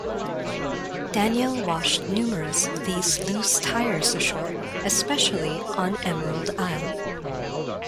Danielle washed numerous of these loose tires ashore, especially on Emerald Isle.